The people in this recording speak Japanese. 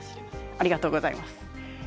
ありがとうございます。